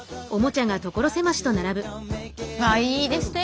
あいいですね